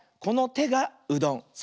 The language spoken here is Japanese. このてがうどん。